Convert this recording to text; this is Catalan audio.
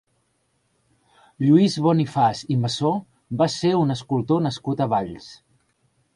Lluís Bonifaç i Massó va ser un escultor nascut a Valls.